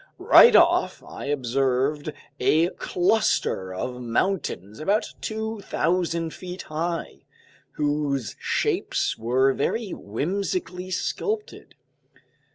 Right off, I observed a cluster of mountains about 2,000 feet high, whose shapes were very whimsically sculpted.